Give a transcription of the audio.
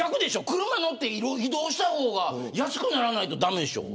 車乗って、移動した方が安くならないと駄目でしょ。